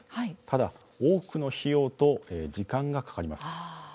ただ、多くの費用と時間がかかります。